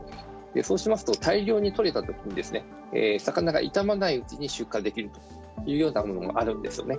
そうしますと大量に捕れたときに魚が傷まないうちに出荷できるというようなものもあるんですね。